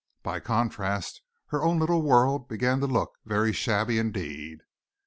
By contrast her own little world began to look very shabby indeed.